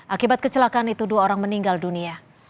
akibat kecelakaan itu dua orang meninggal dunia